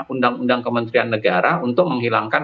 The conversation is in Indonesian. undang undang kementerian negara untuk menghilangkan